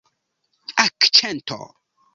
akĉento